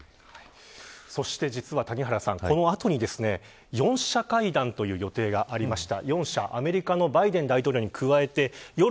そして実は谷原さん、この後に４者会談という予定がありました。